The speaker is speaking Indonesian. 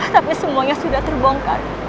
tapi semuanya sudah terbongkar